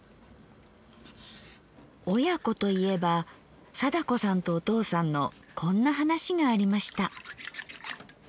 親子といえば貞子さんとお父さんのこんな話がありました。